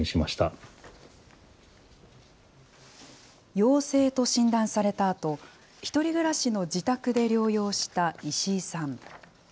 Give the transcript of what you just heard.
陽性と診断されたあと、１人暮らしの自宅で療養した石井さん。